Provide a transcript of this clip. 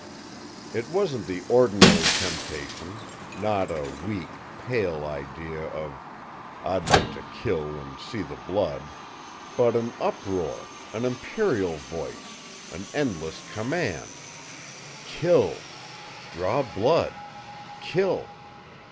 "It wasn't the ordinary temptation, not a weak, pale idea of 'I'd like to kill and see the blood!' but an uproar, an imperial voice, an endless command: 'Kill! Draw blood! Kill!'